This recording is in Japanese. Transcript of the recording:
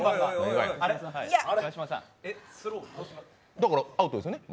だからアウトですよね、